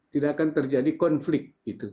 tidak akan terjadi konflik